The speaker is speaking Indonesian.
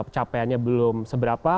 capaiannya belum seberapa